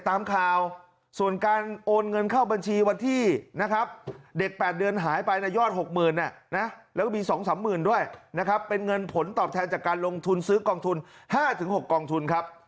ตามข่าวส่วนการโอนเงินเข้าบัญชีวันที่นะครับเด็ก๘เดือนหายไปในยอด๖๐๐๐แล้วก็มี๒๓๐๐๐ด้วยนะครับเป็นเงินผลตอบแทนจากการลงทุนซื้อกองทุน๕๖กองทุนครับ